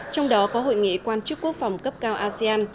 trong đó có hội nghị quan chức quốc phòng cấp cao asean